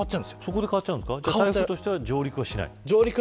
台風としては上陸はしない。